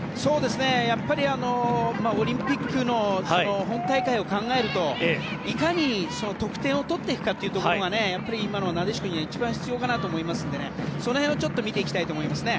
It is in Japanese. やっぱりオリンピックの本大会を考えるといかに得点を取っていくかというところが今のなでしこには一番必要かと思いますのでその辺はちょっと見ていきたいと思いますね。